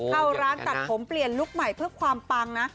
เข้าร้านตัดผมเปลี่ยนลุคใหม่เพื่อความปังนะ